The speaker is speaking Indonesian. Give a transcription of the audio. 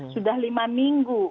sudah lima minggu